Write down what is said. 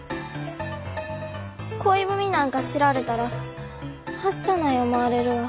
恋文なんか知られたらはしたない思われるわ。